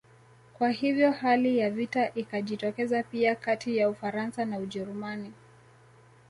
Kwa hivyo hali ya vita ikajitokeza pia kati ya Ufaransa na Ujerumani